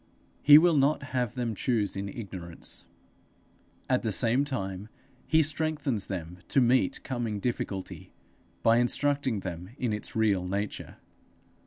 He will not have them choose in ignorance. At the same time he strengthens them to meet coming difficulty, by instructing them in its real nature.